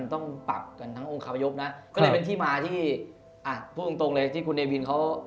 ของบ้านเรามันมีเรื่องนี้เนอะ